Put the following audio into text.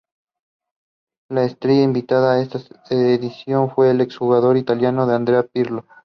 La estrella invitada a esta edición fue el ex-jugador italiano Andrea Pirlo.